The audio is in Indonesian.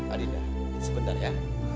adinda sebentar ya